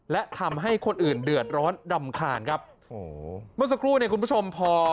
และทำให้คนอื่นเดือดร้อนรำคาญครับโอ้โหเมื่อสักครู่เนี่ยคุณผู้ชมพอ